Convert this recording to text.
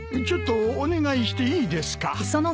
ちょっとお願いしていいですか？